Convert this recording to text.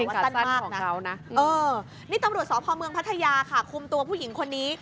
แต่ว่าตั้นมากนะเออนี่ตำรวจสพพัทยาค่ะคุมตัวผู้หญิงคนนี้